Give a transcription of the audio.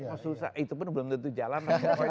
oh susah itu pun belum tentu jalan